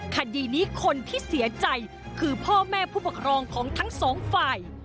คดีนี้คนที่เสียใจคือพ่อแม่ผู้ปกครองของทั้งสองฝ่าย